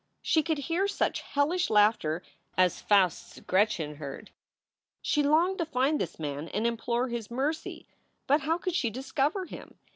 She could hear such hellish laughter as Faust s Gretchen heard. She longed to find this man and implore his mercy. But how could she discover him?